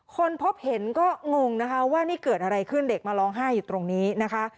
คนพบเห็นก็งงนะคะว่านี่เกิดอะไรขึ้นเด็กมาร้องไห้อยู่ตรงนี้นะคะ